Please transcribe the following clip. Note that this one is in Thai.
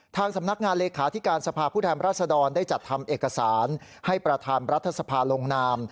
ทางสำนักงานเลขาธิการสภาพผู้แทนรัศดรได้จัดทำเอกสารให้ประธานรัฐสภาลงนาม